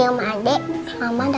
ya pandemic gitu